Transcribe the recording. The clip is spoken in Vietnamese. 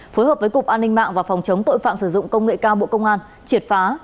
phối hợp với cục an ninh mạng và phòng chống tội phạm sử dụng công nghệ cao bộ công an triệt phá